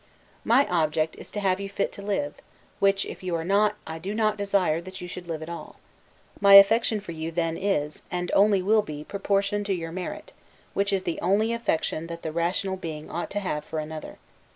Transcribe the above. My object is to have you fit to live; which, if you are not, I do not desire that you should live at all. My affection for you then is, and only will be, proportioned to your merit; which is the only affection that one rational being ought to have for another.